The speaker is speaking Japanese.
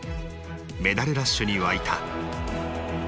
メダルラッシュに沸いた。